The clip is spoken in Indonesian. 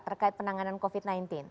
terkait penanganan covid sembilan belas